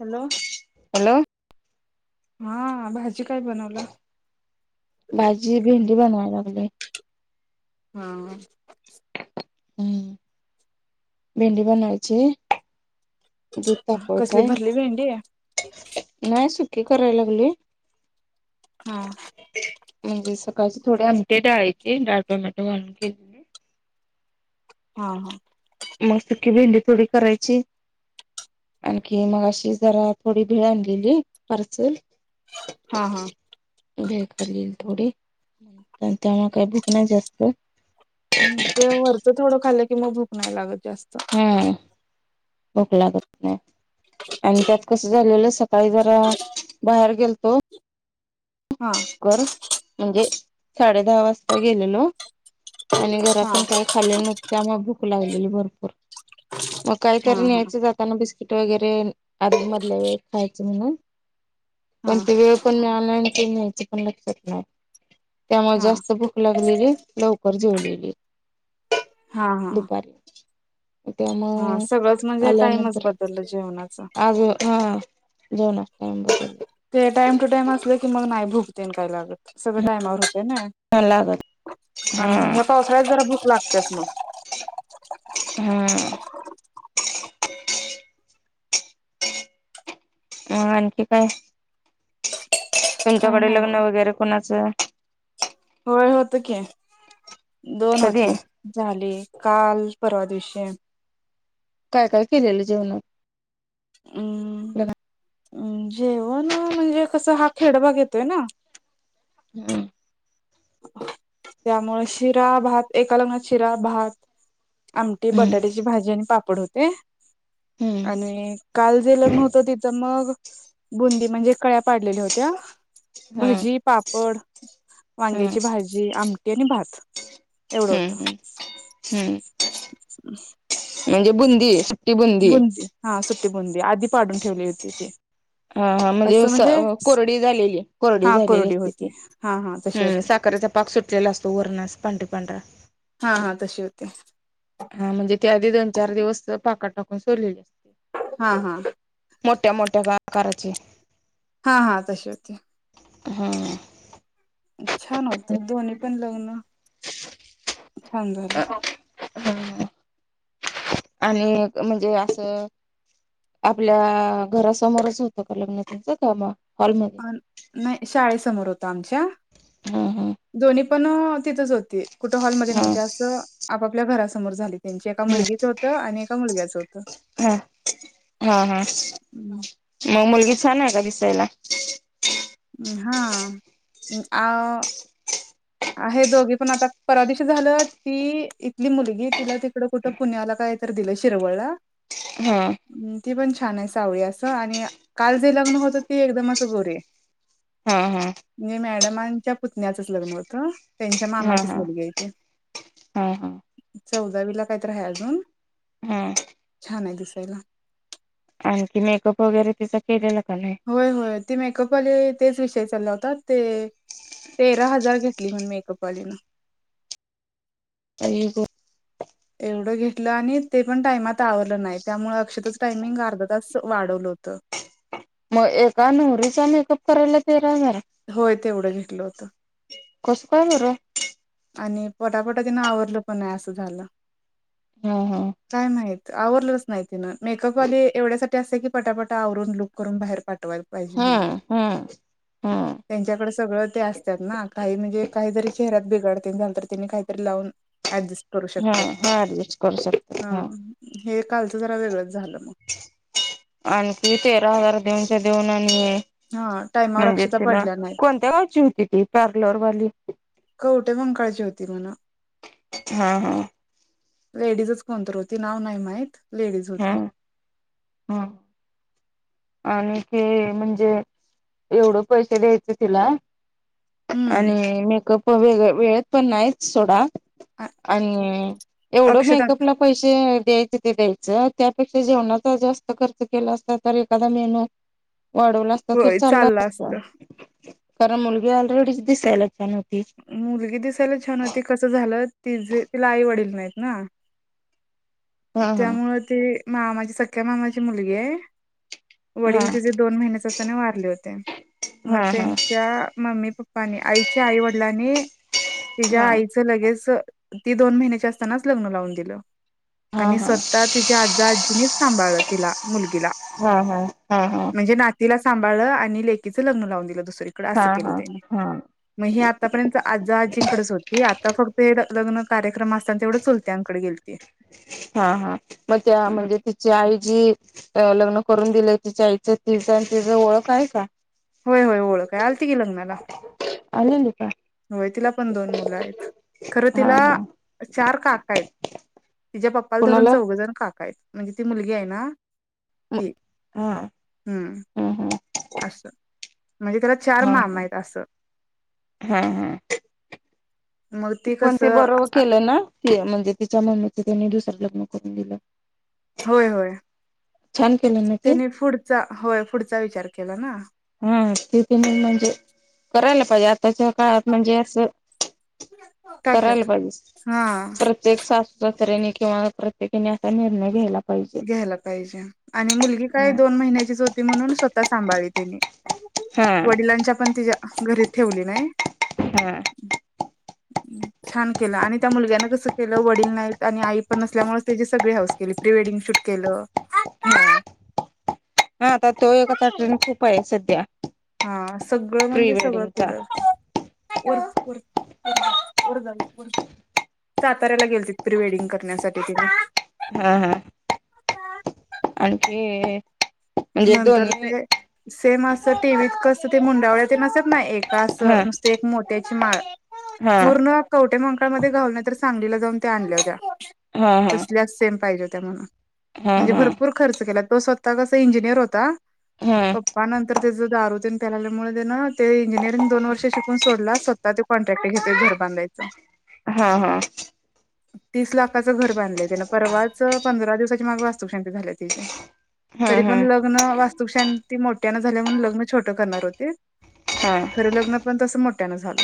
Hello hello हा भाजी काय बनवला भाजी भेंडी बनवाय लागलोय हा हम्म भेंडी बनावायची आहे. कसली भरली भेंडी नाही सुकी करायला लागले. हा म्हणजे सकाळची थोडी आमटी आहे, डाळीची डाळ टोमॅटो घालून केले हा हा मस्तपैकी भेंडी थोडी करायची. आणखी मग अशी जरा थोडी भेळ आणलेली पार्सल, हा हा भेळ खाल्ली थोडी त्यामुळे काही भुक नाही जास्त हम्म ते वरचं थोडं खाल्लं कि, मग भूक नाही लागत जास्त हा भूक लागत नाही. आणि त्यात कसं झालेलं सकाळी जरा बाहेर गेल हा कर म्हणजे साडे दहा वाजता गेलेलो आणि हा घरातून काय खाल्ले नव्हते त्यामुळे भूक लागलेली भरपूर मग हा काहीतरी हा न्यायचं जात त्यांना बिस्किट वगैरे आदल्या मधल्या वेळेत खायचं म्हणून, हा पण ते वेळ वेळ पण मिळाला नाही आणि ते न्यायचं पण लक्षात नाही त्यामुळे हा जास्त भुक लागलेली लवकर जेवलेली हा हा दुपारी हा त्यामुळे सगळंच म्हणजे टाइमच आल्यानंतर बदललं जेवणाच आज हा जेवणार [inaudible] ते टाईम टू टाईम असले की मग नाय भुक तेन काही लागतं सगळं टाईमावर होते ना लागत हा आणि ह्या पावसाळ्यात जरा भूक लागत्याच मग हम्म अ आणखी काय काही तुमच्याकडे नाही लग्न बघा वगैरे कुणाचं होय होतं की दोन कधी होती झाले, काल परवा दिवशी काय काय केलेलं जेवणात? हम्म लग्नात हम्म जेवण अ म्हंजे, कसंय हा खेडभाग येतोय ना! हा. त्यामुळे शिरा, भात एका लग्नात शिरा, भात आमटी, हम्म बटाट्याची भाजी आणि पापड होते. हम्म आणि काल जे लग्न होत तिथं मग बुंदी म्हणजे कळ्या पाडलेल्या होत्या हम्म भजी, पापड हम्म वांग्याची भाजी, आमटी आण भात एवढं होत. हम्म हम्म हम्म [inaudible] म्हणजे बुंदी, सुट्टी बुंदी? हा सुट्टी बुंदी आधी पाडून ठेवली होती ते. हा हा म्हणजे उसळ अ कोरडी झालेली, कोरडी हा झालेली असते होती ती हा हा तशी हम्म होती साखरेचा पा पाक सुटलेला असतो वरण असं पांढर पांढरा. हा हा तशी होती. हा म्हणजे ते आधी दोन चार दिवस पाकात टाकून सोडलेली असते. हा हा. मोठ्या मोठ्या [unintelligible] काराची. हा हा तशी होती. हम्म. छान होत दोन्ही पण लग्न छान झाले. हम्म हम्म. आणि एक म्हणजे असं आपल्या अ घरासमोरच होतं का लग्नं तीचं? का म हॉलमध्ये म नाय शाळेसमोर होत आमच्या हा हा. दोन्ही पण अ तिथंच होती कुठं हॉलमध्येध्ये नव्हते, हा. असं आपापल्या घरासमोर झालीत. त्यांची एका मुलगीच होतं आणि एका मुलग्याचं होतं. हा हा हा मग मुलगी छान आहे का दिसायला? हां आ [inaudible] आहे दोघी पण आता परवादिवशी झालं ती इथली मुलगी तिला तिकडं कुठं पुण्याला काय तर दिलं शिरवळला. हा. ती पण छान आहे सावळी असं आणि काल जे लग्न होतं ती एकदम असं गोरी आहे. हां हां. नी मॅडमांच्या पुतण्याचच लग्न होतं त्यांच्या हा मामाचीच हा मुलगी आहे ती. हा हा. चौदावीला काय तर आहे अजून. हा. छान आहे दिसायला. आणखी मेकअप वगैरे तिचा केलेलं का नाही. होय होय ती मेकअपवाले तेच विषय चालला होता ते तेरा हजार घेत ती पण मेकअप वाली न आई ग. एवढं घेतलं आणि ते पण टाइमात आवरल नाही, त्यामुळे अक्षताःचं टायमिंग अर्धा तास वाढवलं होतं. मग एका नवरीचा मेकअप करायला तेरा हजार? होय, तेवढं घेतलं होतं. कसं काय बरं? आणि पटापटा तिनं आवरलं पण नाही, असं झालं. हम हम. काय माहित आवरलंच नाही तिनं, मेकअपवाली एवढ्यासाठी ते असं की पटापटा आवरून, लुक करून बाहेर पाठवाल. हम हम् हम्. त्यांच्याकडे सगळं ते असतात ना, काही म्हणजे काहीतरी चेहरात बिघड तेन झालं तर, काहीतरी लावून ऍडजेस्ट हा हा, ऍडजेस्ट करू शकतात. हा. हे कालचं जरा, वेगळंच झालं. आणखी तेरा हजार देऊनच्या देऊन आणि हा, टाइम म्हणजे तिला, कोणत्या गावची होती ती पार्लरवाली? कवठे म्हंकाळची, होती म्हणं. हा हा. लेडीजच कोणतर होती. नाव नाही माहित, लेडीज हा होती. हा आणि ते म्हणजे एवढं पैसे द्यायचे तिला, हम्म आणि मेकअप, वेग वेळेतपण नाहीच सोडा. अ आणि एवढं अक्षता मेकअप ला पैसे द्यायचे ते द्यायचं. त्यापेक्षा जेवणाचा जास्त खर्च केला असता तर, एखादा मेनू वाढवला असता, तर होय चालला चाललं असतं. असत खरं मुलगी ऑलरेडीच, दिसायला छान होती. मुलगी दिसायला छान होती. कसं झालं, तिजं तिला आई वडील नाहीत ना हा हा. त्यामुळं ती मामाची, सख्या मामाची मुलगी आहे. हा वडील तिचे, दोन महिन्याचे असताना वारले होते. हा मग त्यांच्या मम्मी पप्पांनी, आईच्या आई वडिलांनी तिच्या हा आईचं ते लगेच. ती दोन महिन्याची असताना, लग्न लावून दिलं हा आणि हा स्वतः तिच्या आजा आजीनीच, सांभाळलं तिला मुलगीला. हा हा हा हा. म्हणजे नातीला सांभाळलं आणि लेकीच लग्न लावून दिलं दुसरीकडं हा असं केलं हा त्यांनी. हा मग हे आत आतापर्यंत आजा आजींकडेच होती. आता फक्त हे लग्न कार्यक्रम असताना, तेवढं चुलत्यांकडे गेलती. हा हा. मग त्या म्हणजे ति ची आईची, लग्न करून दिले तिच्या आईचं तिचं आणि तिझं ओळख आहे का? होय होय, ओळख आहे. आलती की, लग्नाला. आलेली का? होय, तिला पण दोन मुलं आहेत. खरं हा तिला हा चार काका आहेत. तिच्या पप्पाला धरून, कुणाला चौघंजण काका आहेत. म्हणजे ती मुलगी आहे ना, ती. हा हम्. हम्म हम्म असं म्हणजे त्याला, चार मामा आहेत असं. हम् हम्. मग पण ते कसं बरोबर केलं ना? ती म्हणजे तिच्या मम्मीचं, त्यांनी दुसरं लग्न करून दिलं. होय होय. छान केलं ना ते त्यांनी पुढचा, होय. पुढचा विचार केला ना. हा, तिथं मी म्हणजे करायला पाहिजे, आताच्या काळात म्हणजे असं करायला टाक्यात पाहिजे. हा परत प्रत्येक सासू सासर्यांनी किंवा प्रत्येकीने असा निर्णय घ्यायला पाहिजे. घ्यायला पाहिजे आणि मुलगी काय हा दोन महिन्याचीच होती म्हणून स्वतः सांभाळली त्यांनी हा वडिलांच्या पण तिच्या घरी ठेवली नाही हा छान केल आणि त्या मुलग्यानं कसं केल वडील नाहीत आणि आई पण नसल्यामुळेच त्याची सगळी हाऊस केली प्री वेडिंग शुट केल हम् हा आता तो एक आता ट्रेन खूप आहे सध्या हा सगळं प्री म्हणजे सगळं वेडिंगचा केलं [unintelligible] साताऱ्याला गेलतीत प्री वेडिंग करण्यासाठी तेनी हा हा आण ते नंतर ते सेम असं टीव्हीत कस ते मुंडावळ्या तिन असतेत ना एक अस हा न ती एक मोठ्याची माळ हा पूर्ण कवठे मंकाळाळमध्ये घावले नाही तर सांगलीला जाऊन त्या आणल्या होत्या हा हा तसल्या सेम पाहिजे होत्या म्हणून हा म्हणजे हा भरपूर खर्च केला तो स्वतः कसा इंजिनियर होता हा बा नंतर त्याच दारू प्यायल्यामुळे ते इंजिनिअरिंग दोन वर्ष शिकून सोडला स्वतः ते कॉन्ट्रॅक्ट घेतो घर बांधायचं हा हा तीस लाखचं घर बांधलय त्यान परवाच पंधरा दिवसाच्या माग वास्तुक शांती झाली त्याची हा हा पण लग्न वास्तुक शांती मोठ्या न झाल्या म्हणून लग्न छोट्यान करणार होते हां खरं लग्न पण तस मोठ्यान झाल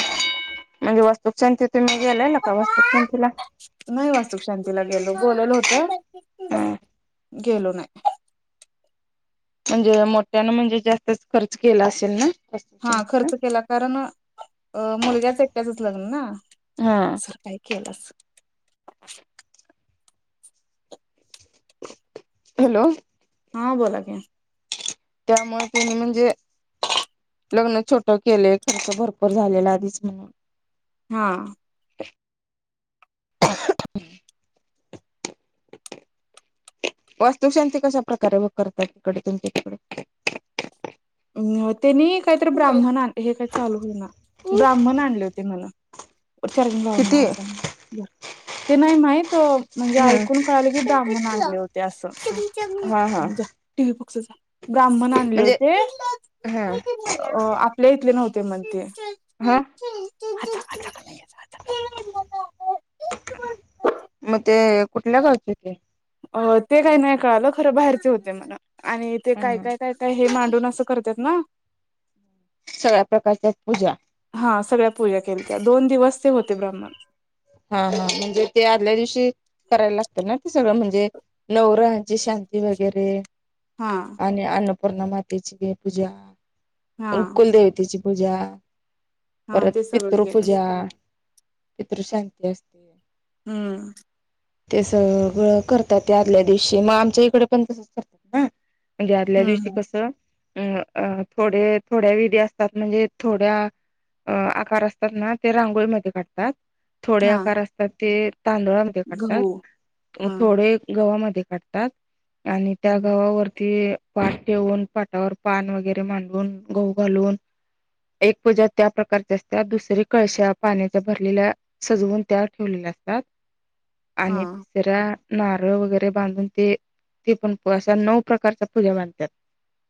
म्हणजे वास्तुक शांतीला तुम्ही गेल्याल काय वास्तुशांतीला नाही वास्तुक शांतीला गेलो बोलेल होत हा गेलो नाही म्हणजे मोठ्यान म्हणजे जास्तच खर्च केला असेल ना वस्तूक हा संतीला? खर्च केला कारण मुलग्याच एकट्याच लग्न ना हा सकाळी केलास हॅलो हा बोला की त्यामुळे त्यांनी म्हणजे लग्न छोट केले खर्च भरपूर झालेला आधीच म्हणून हा वास्तुकशांती कशा प्रकारे व करतात इकडे तुमच्या तिकडे अ तेनी काहीतरी ब्राह्मण हे काही चालू हो ना ब्राह्मण आणले होते म्हण येवढ चार्जिंग लावा म्हणव किती आजांना ते नाही माही म्हणजे हम्म ऐकून कळालं की ब्राह्मण आले होते अस हा हा टीव्ही बघजा ब्राह्मण आणले म्हणजे होते हा आपल्या इथले नव्हते मग ते हा आजा कडे घे जा मग ते कुठल्या गावचे ते अ ते काय नाही कळाल खर बाहेरचे होते म्हण आणि ते हा काय हा काय काय काय हे मांडून अस करतात ना सगळ्या प्रकारच्या पूजा हा सगळ्या पूजा केलंत्या, दोन दिवस ते होते ब्राह्मण. हा- हा म्हणजे ते आदल्या दिवशी करायला लागत ना, ते सगळं म्हणजे नवग्रहांची शांती वगैरे हा, आणि अन्नपूर्णा मातेची पूजा, हा अन् कुलदेवतेची पूजा. हा परत ते सगळं केलं पितृपूजा, पितृशांती असतीया. हम्म, ते सगळं करतात ते आदल्या दिवशी, मग आमच्या इकडे पण तसंच करतात ना. म्हणजे आदल्या दिवशी हम्म कसं अं, अं थोडेत- थोड्या विधी असतात, म्हणजे थोड्या अ आकार असतात ना, ते रांगोळीमध्ये काढतात. थोडे हा आकार असतात ते तांदूळामध्ये काढतात, गहू म हा थोडे गव्हामध्ये काढतात. तात आणि त्या हम्म गवव्हावरती पाट ठेवून, पाटावर पान वगैरे मांडून, गहू घालून एक पूजा त्या प्रकारच्या असत्या दुसरी कळश्या पाण्याच्या भरलेल्या सजवून त्यावर ठेवले लागतात, हा आणि जरा नारळ वगैरे बांधून ते ते पण अशा नऊ प्रकारच्या पूजा माडंत्यात.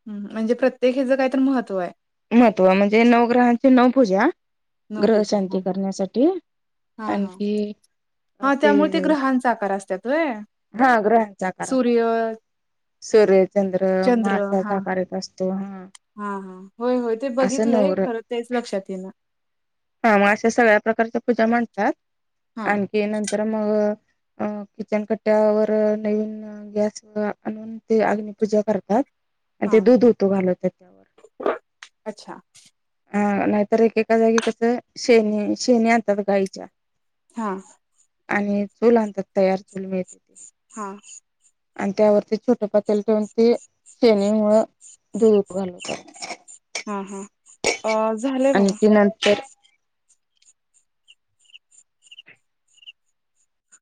हम्, म्हणजे प्रत्येक हेचं कायतरी महत्व आहे. महत्त्व म्हणजे नवग्रहांची नऊ पूजा, नवपूजा हा ग्रहशांती हा. करण्यासाठी हा हा आणखी अ हा ते त्यामुळे ग्रहांचा आकार असतात व्हय हा ग्रहांचा सूर्य आकारचा सूर्यचंद्र, चंद्र मासाचा हा. आकार येतं असतो, हा. हा -हा, होय- होय ते असं बघितलंय नवग्रह खरं तेच लक्षात येईना. हा मग अशा सगळ्या प्रकारच्या पूजा माडंतात हा आणखी नंतर मग अं अ किचन कट्ट्यावर नवीन गॅस आणून ते अग्निपूजा करतात. आणि ते हा दूध उतु घालवत त्यावर. अच्छा. हा नाहीतर एकेका जागी कसं, शेणी -शेणी आणतात गाईच्या हा, आणि चूल आणतात, तयार चूल मिळते ती. हा, आणि त्यावरती छोटे पातेलं ठेवून ते शेणी मुळं धुप घालवतात. हा -हा, अ झालंय बाबा. आणखी नंतर